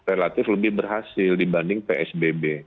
relatif lebih berhasil dibanding psbb